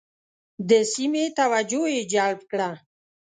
د سیمې توجه یې جلب کړه.